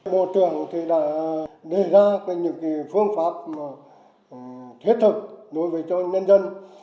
bộ trưởng đã đề ra những phương pháp thiết thực đối với cho nhân dân